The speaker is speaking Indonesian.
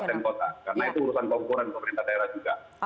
karena itu urusan pengukuran pemerintah daerah juga